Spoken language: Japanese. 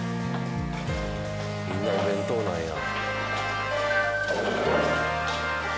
みんなお弁当なんや。